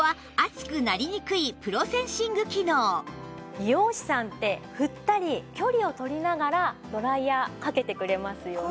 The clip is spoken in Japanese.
美容師さんって振ったり距離を取りながらドライヤーかけてくれますよね。